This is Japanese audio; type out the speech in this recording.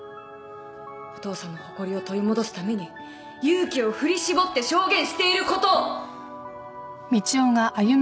お父さんの誇りを取り戻すために勇気を振り絞って証言していることを！